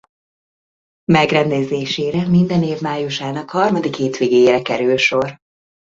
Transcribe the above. Megrendezésére minden év májusának harmadik hétvégéjén kerül sor.